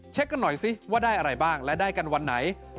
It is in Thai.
กันหน่อยสิว่าได้อะไรบ้างและได้กันวันไหน